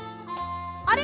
あれ？